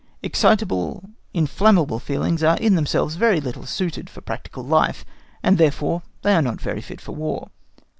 Excitable, inflammable feelings are in themselves little suited for practical life, and therefore they are not very fit for War.